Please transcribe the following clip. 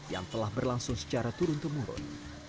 yang telah berlangsung secara turun temurun